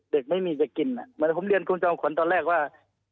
เด็กไม่มีจะกินเหมือนผมเรียนคุณจอมขวัญตอนแรกว่า